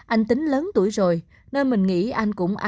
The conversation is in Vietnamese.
anh tính lớn tuổi rồi nên mình nghĩ anh cũng ăn đẹp hơn